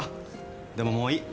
でももういい。